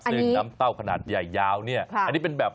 ซึ่งน้ำเต้าขนาดใหญ่ยาวเนี่ยอันนี้เป็นแบบ